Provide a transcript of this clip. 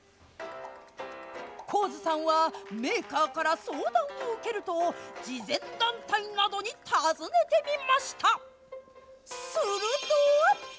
高津さんはメーカーから相談を受けると慈善団体などに訪ねてみました。